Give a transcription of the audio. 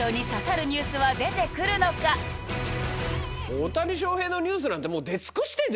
大谷翔平のニュースなんて。